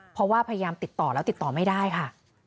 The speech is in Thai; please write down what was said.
เพราะว่าพยายามติดต่อแล้วติดต่อไม่ได้ค่ะ